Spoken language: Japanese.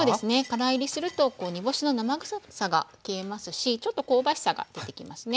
から煎りすると煮干しの生臭さが消えますしちょっと香ばしさが出てきますね。